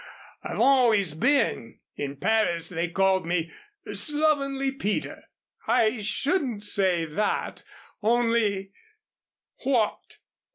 I've always been. In Paris they called me Slovenly Peter." "I shouldn't say that only " "What?"